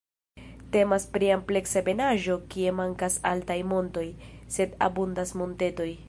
Temas pri ampleksa ebenaĵo kie mankas altaj montoj, sed abundas montetoj.